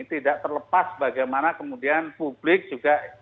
tidak terlepas bagaimana kemudian publik juga